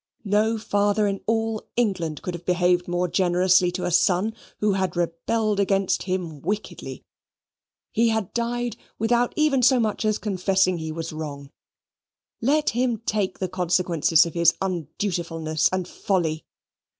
No father in all England could have behaved more generously to a son, who had rebelled against him wickedly. He had died without even so much as confessing he was wrong. Let him take the consequences of his undutifulness and folly.